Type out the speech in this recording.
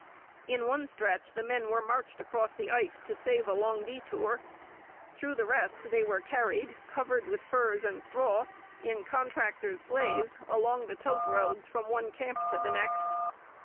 In one stretch the men were marched across the ice to save a long detour. Through the rest they were carried, covered with furs and straw, in contractors' sleighs along the tote roads from one camp to the next.